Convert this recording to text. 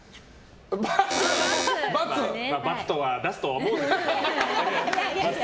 ×！×と出すとは思うんですけど。